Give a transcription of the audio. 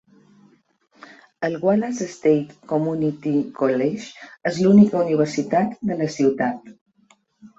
El Wallace State Community College és la única universitat de la ciutat.